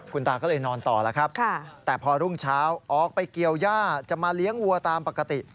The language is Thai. คุณตาก็เลยนอนต่อแล้วครับแต่พอรุ่งเช้าออกไปเกี่ยวย่าจะมาเลี้ยงวัวตามปกติ